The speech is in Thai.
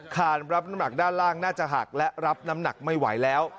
คานรับน้ำหนักด้านล่างน่าจะหักและรับน้ำหนักไม่ไหวแล้ว